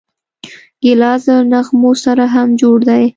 ګیلاس له نغمو سره هم جوړ دی.